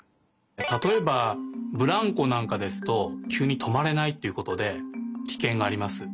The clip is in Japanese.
たとえばブランコなんかですときゅうにとまれないっていうことでキケンがあります。